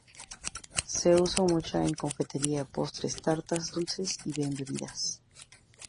Se usa mucho en confitería, postres, tartas, dulces y en bebidas.